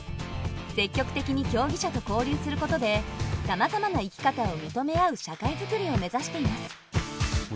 積極的に競技者と交流することでさまざまな生き方を認め合う社会づくりを目指しています。